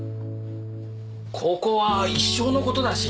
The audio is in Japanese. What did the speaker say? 高校は一生の事だし。